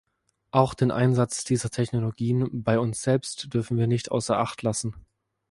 Auch den Einsatz dieser Technologien bei uns selbst dürfen wir nicht außer Acht lassen.